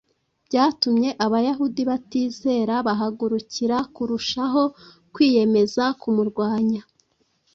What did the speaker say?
byatumye Abayahudi batizera bahagurukira kurushaho kwiyemeza kumurwanya.